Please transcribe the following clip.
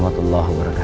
hidup raden walang susah